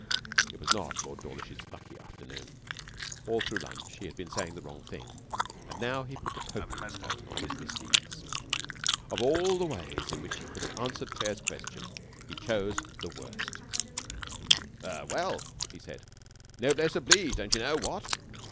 It was not Lord Dawlish's lucky afternoon. All through lunch he had been saying the wrong thing, and now he put the coping stone on his misdeeds. Of all the ways in which he could have answered Claire's question he chose the worst. 'Er well,' he said, 'noblesse oblige, don't you know, what?'